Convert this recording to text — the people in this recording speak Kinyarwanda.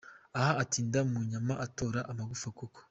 aha utinda mu nyama ugatora amagufa koko ,.